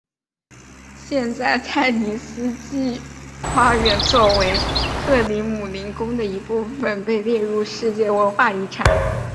现在泰尼斯基花园作为克里姆林宫的一部分被列入世界文化遗产。